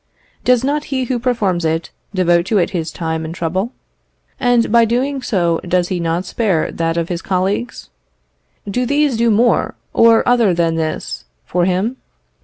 Does not he who performs it devote to it his time and trouble? and by so doing does he not spare that of his colleagues? Do these do more or other than this for him?